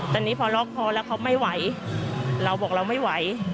ตอนนี้พอล็อกคอแล้วเขาไม่ไหวเราบอกเราไม่ไหว